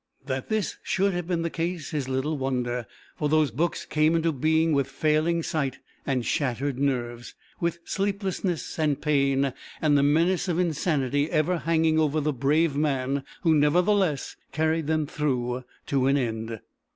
That this should have been the case is little wonder, for those books came into being with failing sight and shattered nerves, with sleeplessness and pain, and the menace of insanity ever hanging over the brave man who, nevertheless, carried them through to an end.